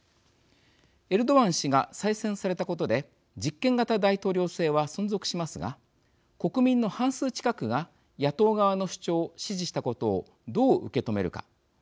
エルドアン氏が再選されたことで実権型大統領制は存続しますが国民の半数近くが野党側の主張を支持したことをどう受け止めるか。